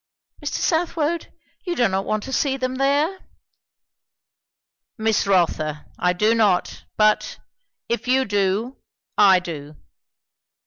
"Mr. Southwode, you do not want to see them there!" "Miss Rotha, I do not. But if you do, I do."